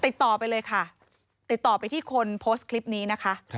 ติดต่อไปเลยค่ะติดต่อไปที่คนโพสต์คลิปนี้นะคะ